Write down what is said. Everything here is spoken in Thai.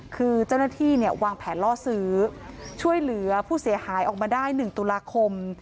คือเจ้าหน้าที่เนี่ยวางแผนล่อซื้อช่วยเหลือผู้เสียหายออกมาได้๑ตุลาคม